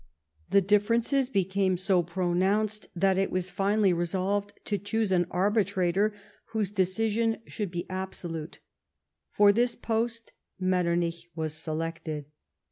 The differences became so pronounced that it was finally resolved to choose an arbitrator whose decision should be absolute. For this post Metternich was selected.